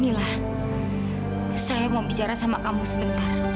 inilah saya mau bicara sama kamu sebentar